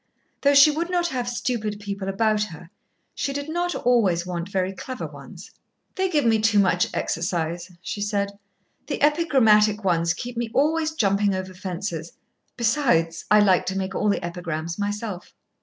Though she would not have stupid people about her, she did not always want very clever ones. "They give me too much exercise," she said. "The epigrammatic ones keep me always jumping over fences. Besides, I like to make all the epigrams myself."